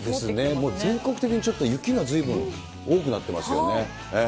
もう全国的に雪がずいぶん多くなってますよね。